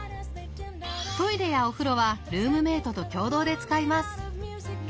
トイレやお風呂はルームメートと共同で使います。